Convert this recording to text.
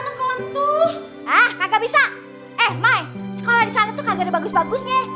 sekolah disana tuh kagak ada bagus bagusnya